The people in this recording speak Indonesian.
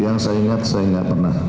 yang saya ingat saya nggak pernah